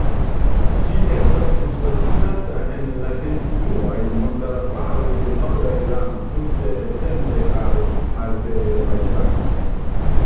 Ĝi estas disvastigata en la deciduaj montarbaroj de norda Irano, ĝuste etende al Azerbajĝano.